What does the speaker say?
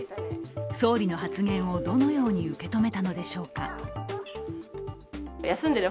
総理の発言を、どのように受け止めたのでしょうか。